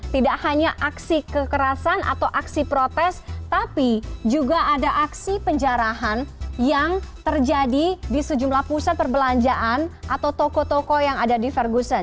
tidak hanya aksi kekerasan atau aksi protes tapi juga ada aksi penjarahan yang terjadi di sejumlah pusat perbelanjaan atau toko toko yang ada di verguson